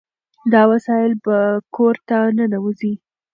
دا وسایل به کور ته ننوځي.